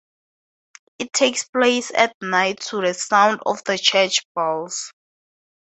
It takes place at night to the sound of the church bells.